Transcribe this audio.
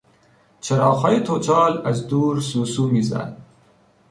چراغهای توچال از دور سوسو میزد.